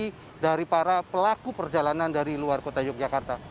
dari para pelaku perjalanan dari luar kota yogyakarta